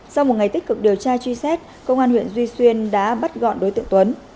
sau một ngày tích cực điều tra truy xét công an huyện duy xuyên đã bắt gọn đối tượng tuấn